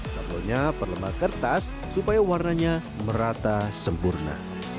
sablonnya perlembar kertas supaya warnanya merata sempurna